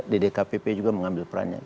ddkpp juga mengambil perannya